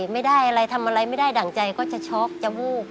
ไม่ได้อะไรทำอะไรไม่ได้ดั่งใจก็จะช็อกจะวูบ